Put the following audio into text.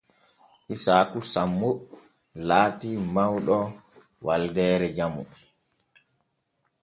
Isaaku sammo laati mawɗo waldeere jamu.